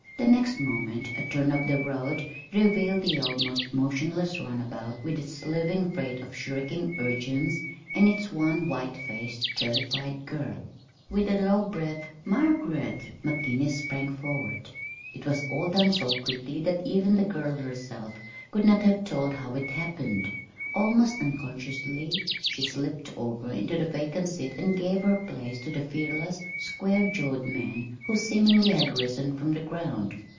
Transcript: The next moment a turn of the road revealed the almost motionless runabout with its living freight of shrieking urchins, and its one white faced, terrified girl. With a low breathed "Margaret!" McGinnis sprang forward. [Illustration: "A MOB OF SMALL BOYS HAD FOUND AN OBJECT UPON WHICH TO VENT THEIR WILDEST MISCHIEF."] It was all done so quickly that even the girl herself could not have told how it happened. Almost unconsciously she slipped over into the vacant seat and gave her place to the fearless, square jawed man who seemingly had risen from the ground.